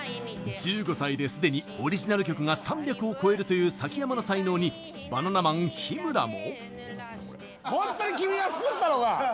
１５歳ですでにオリジナル曲が３００を超えるという崎山の才能にバナナマン日村も。